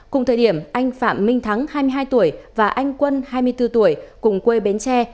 cùng thời điểm anh phạm minh thắng hai mươi hai tuổi và anh quân hai mươi bốn tuổi cùng quê bến tre